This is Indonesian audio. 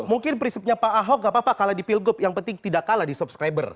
mungkin prinsipnya pak ahok gapapa kalah di pilgub yang penting tidak kalah di subscriber